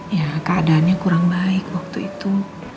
ya keadaannya kurang baik waktu itu